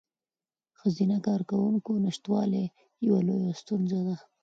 د ښځینه کارکوونکو نشتوالی یوه لویه ستونزه ده.